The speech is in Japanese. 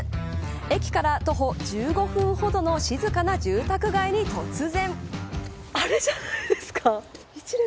駅から徒歩１５分ほどの静かな住宅街に突然。